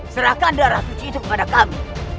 serahkan darah suci itu kepada kami